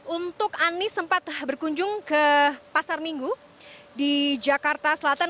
untuk anies sempat berkunjung ke pasar minggu di jakarta selatan